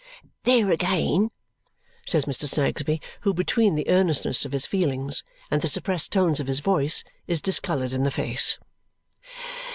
"There again!" says Mr. Snagsby, who, between the earnestness of his feelings and the suppressed tones of his voice is discoloured in the face.